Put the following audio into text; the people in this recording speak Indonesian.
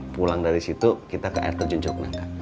pulang dari situ kita ke r dua curug nangka